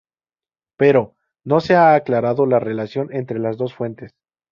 Pero, ¿no se ha aclarado las relaciones entre las dos fuentes.